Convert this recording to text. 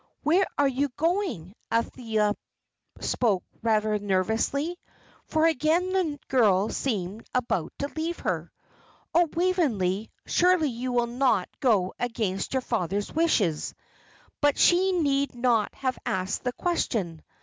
"Where are you going?" Althea spoke rather nervously, for again the girl seemed about to leave her. "Oh, Waveney, surely you will not go against your father's wishes." But she need not have asked the question.